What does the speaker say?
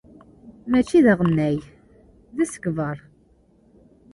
Mačči d aɣennay, d asegbar.